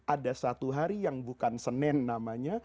ada satu hari yang bukan senin namanya